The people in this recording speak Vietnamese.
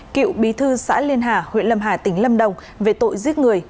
cựu bí thư xã liên hà huyện lâm hà tỉnh lâm đồng về tội giết người